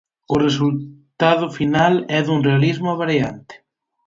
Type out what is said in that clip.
O resultado final é dun realismo abraiante.